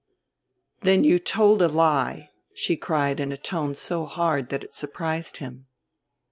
"Then you told a lie," she cried in a tone so hard that it surprised him.